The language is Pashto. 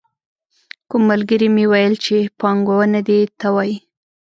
کوم ملګري مې ویل چې پانګونه دې ته وايي.